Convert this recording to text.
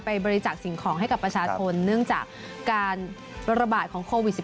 บริจาคสิ่งของให้กับประชาชนเนื่องจากการระบาดของโควิด๑๙